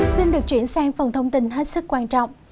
xin được chuyển sang phần thông tin hết sức quan trọng